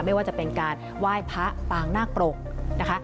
ไม่ว่าจะเป็นการไหว้พระปางนาคปรกนะคะ